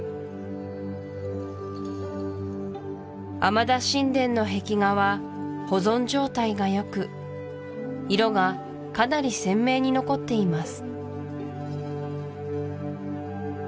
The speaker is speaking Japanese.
アマダ神殿の壁画は保存状態がよく色がかなり鮮明に残っています